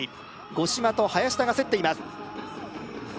五島と林田が競っています